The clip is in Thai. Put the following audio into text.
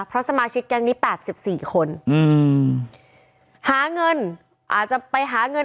เพราะสมาชิกการมีแปดสิบสี่คนอืมหาเงินอาจจะไปหาเงิน